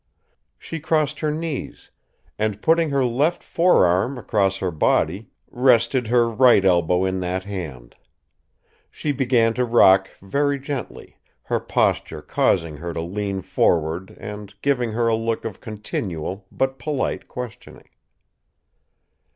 She crossed her knees, and, putting her left forearm across her body, rested her right elbow in that hand. She began to rock very gently, her posture causing her to lean forward and giving her a look of continual but polite questioning.